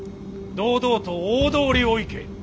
堂々と大通りを行け。